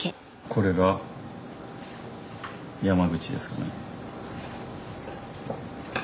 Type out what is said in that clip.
これが山口ですかね。